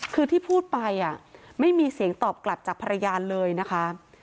คือที่พูดไปไม่มีเสียงตอบกลับจากภรรยาเลยนะคะ